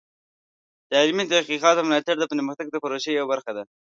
د علمي تحقیقاتو ملاتړ د پرمختګ د پروسې یوه برخه ده.